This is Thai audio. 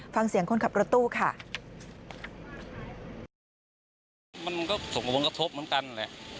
ฟังเสียงคนขับรถตู้ค่ะ